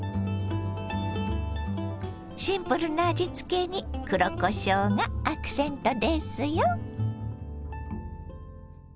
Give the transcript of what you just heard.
シンプルな味つけに黒こしょうがアクセントですよ。